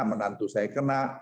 menantu saya kena